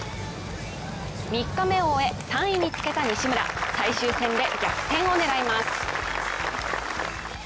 ３日目を終え、３位につけた西村最終戦で逆転を狙います。